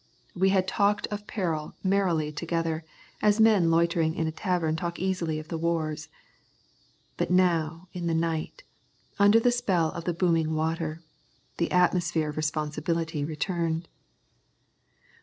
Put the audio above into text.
We had talked of peril merrily together, as men loitering in a tavern talk easily of the wars. But now in the night, under the spell of the booming water, the atmosphere of responsibility returned.